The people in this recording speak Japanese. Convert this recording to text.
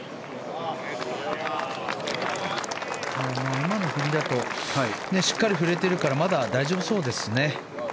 今の振りだとしっかり振れているからまだ大丈夫そうですね。